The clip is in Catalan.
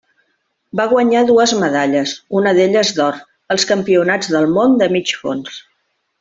Va guanyar dues medalles, una d'elles d'or, als Campionats del món de mig fons.